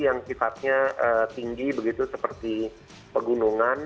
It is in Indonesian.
yang sifatnya tinggi begitu seperti pegunungan